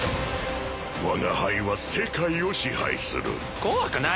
「わが輩は世界を支配する」「怖くない。